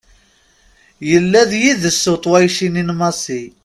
Yella d yid-s uṭwayci-nni n Massi.